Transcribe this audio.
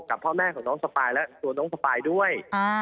กับพ่อแม่ของน้องสปายและตัวน้องสปายด้วย